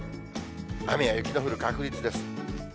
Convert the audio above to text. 雨や雪の降る確率です。